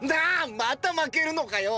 また負けるのかよ！！